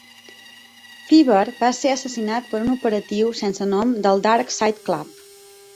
Fever va ser assassinat per un operatiu sense nom del Dark Side Club.